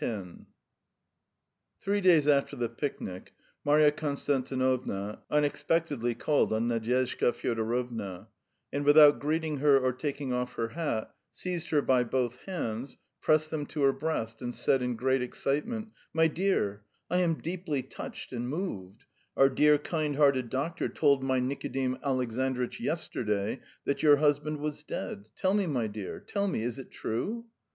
X Three days after the picnic, Marya Konstantinovna unexpectedly called on Nadyezhda Fyodorovna, and without greeting her or taking off her hat, seized her by both hands, pressed them to her breast and said in great excitement: "My dear, I am deeply touched and moved: our dear kind hearted doctor told my Nikodim Alexandritch yesterday that your husband was dead. Tell me, my dear ... tell me, is it true?"